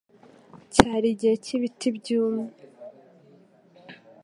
Cyari igihe cy'ibiti byumye